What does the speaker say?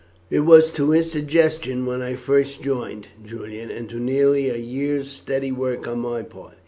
"It was to his suggestion when I first joined, Julian, and to nearly a year's steady work on my part.